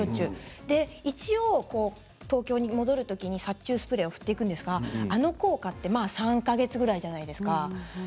一応、東京に戻るときに殺虫スプレーを振っていくんですがあの効果は３か月ぐらいじゃないですか。